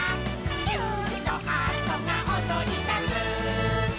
「キューンとハートがおどりだす」